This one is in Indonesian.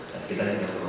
yang pertama tama terhadap